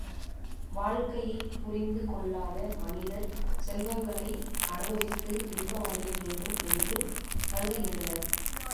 வாழ்க்கையைப் புரிந்து கொள்ளாத மனிதர் செல்வங்களை அநுபவித்து இன்பமடைய வேண்டும் என்று கருதுகின்றனர்.